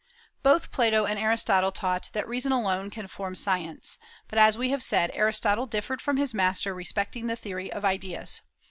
Both Plato and Aristotle taught that reason alone can form science; but, as we have said, Aristotle differed from his master respecting the theory of ideas.